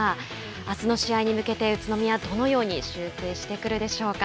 あすの試合に向けて宇都宮どのように修正してくるでしょうか。